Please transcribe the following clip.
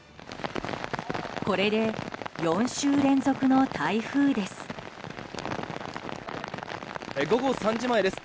これで４週連続の台風です。